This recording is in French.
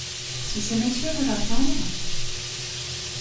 Si ces messieurs veulent attendre ?